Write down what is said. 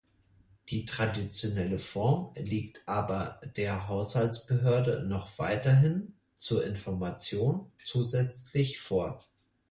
Die traditionelle Form liegt aber der Haushaltsbehörde noch weiterhin zur Information zusätzlich vor.